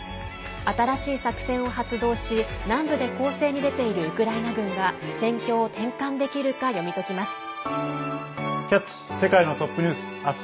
新しい作戦を発動し南部で攻勢に出ているウクライナ軍は戦況を転換できるか読み解きます。